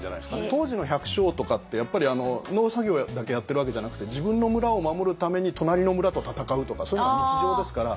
当時の百姓とかってやっぱり農作業だけやってるわけじゃなくて自分の村を守るために隣の村と戦うとかそういうのが日常ですから。